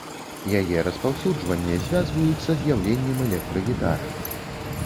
Яе распаўсюджванне звязваюць са з'яўленнем электрагітары.